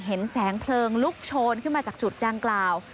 เห็นแสงเพลิงลุกโชนขึ้นมาจากจุดดังกล่าว